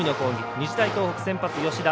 日大東北、先発の吉田。